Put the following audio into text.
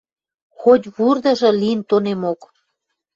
Хоть вурдыжы лин тонемок.